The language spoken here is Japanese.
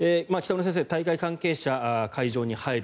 北村先生、大会関係者は会場に入る。